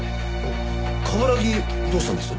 冠城どうしたんです？